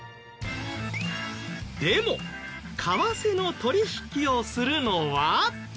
でも為替の取引をするのは。